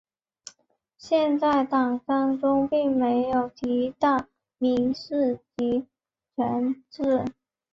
现行党章中并没有提到民主集权制。